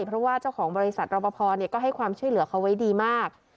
เพราะว่าเจ้าของบริษัทรอปภก็ให้ความช่วยเหลือเขาไว้ดีมาก